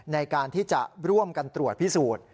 ในการที่จะร่วมกันตรวจพิสูจน์